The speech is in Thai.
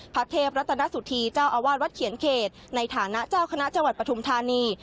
พระเทพรัตนสุธีเจ้าอาวาสวัดเขียนเขตในฐานะเจ้าคณะจังหวัดปฐุมธานี